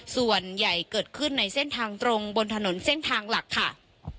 ส่วนใหญ่เกิดขึ้นในเส้นทางตรงบนถนนเส้นทางหลักค่ะ